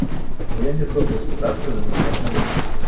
Бо я не здолею спытацца ў іх, як належыць.